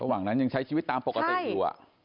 ระหว่างนั้นยังใช้ชีวิตตามปกติอยู่